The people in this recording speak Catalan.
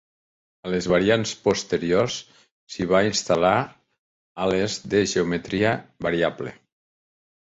A les variants posteriors s'hi van instal·lar ales de geometria variable.